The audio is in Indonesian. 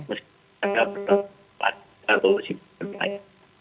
meskipun ada pertemuan atau simpanan